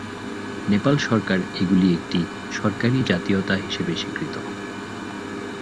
নেপাল সরকার এগুলি একটি সরকারী জাতীয়তা হিসাবে স্বীকৃত।